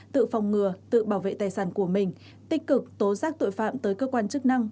tự phòng ngừa tự bảo vệ tài sản của mình tích cực tố giác tội phạm tới cơ quan chức năng